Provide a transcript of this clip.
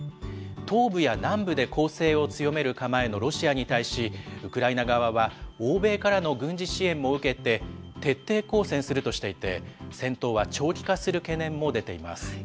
東部や南部で攻勢を強める構えのロシアに対し、ウクライナ側は、欧米からの軍事支援も受けて、徹底抗戦するとしていて、戦闘は長期化する懸念も出ています。